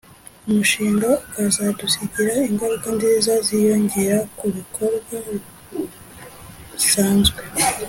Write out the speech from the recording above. umushinga ukazadusigira ingaruka nziza ziyongera ku bikorwa bisanzwe